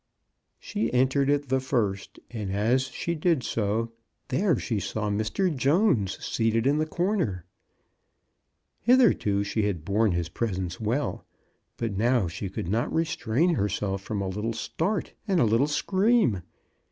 She entered it the first, and as she did so, there she saw Mr. Jones seated in 66 CHRISTMAS AT THOMPSON HALL. the corner ! Hitherto she had borne his pres ence well, but now she could not restrain her self from a little start and a little scream.